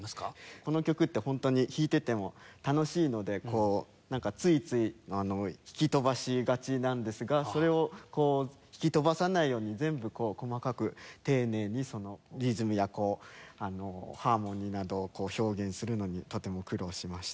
この曲って本当に弾いてても楽しいのでこうなんかついつい弾き飛ばしがちなんですがそれを弾き飛ばさないように全部細かく丁寧にリズムやハーモニーなどを表現するのにとても苦労しました。